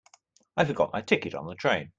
I forgot my ticket on the train.